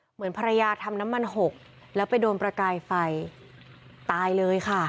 เหมือนภรรยาทำน้ำมันหกแล้วไปโดนประกายไฟตายเลยค่ะ